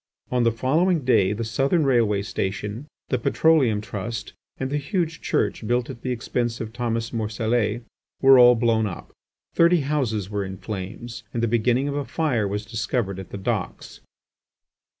On the following day the Southern Railway Station, the Petroleum Trust, and the huge church built at the expense of Thomas Morcellet were all blown up. Thirty houses were in flames, and the beginning of a fire was discovered at the docks.